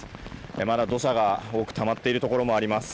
まだ土砂が、多くたまっているところもあります。